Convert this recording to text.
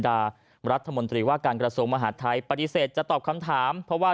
แล้วเราจะรู้ว่าเราจะต้องทำตัวอย่างไร